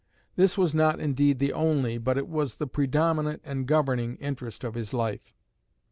This was not indeed the only, but it was the predominant and governing, interest of his life.